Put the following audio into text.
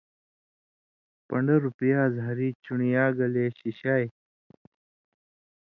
پݩڈروۡ پیاز ہری چُن٘ڑیۡ را گلے شِشائ۔